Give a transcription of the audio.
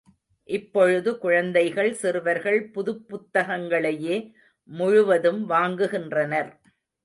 இப்பொழுது குழந்தைகள் சிறுவர்கள் புதுப்புத்தகங்களையே முழுவதும் வாங்குகின்றனர்.